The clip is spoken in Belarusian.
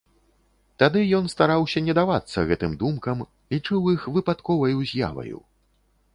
Тады ён стараўся не давацца гэтым думкам, лічыў іх выпадковаю з'яваю.